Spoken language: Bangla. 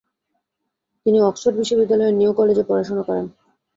তিনি অক্সফোর্ড বিশ্ববিদ্যালয়ের নিউ কলেজে পড়াশোনা করেন।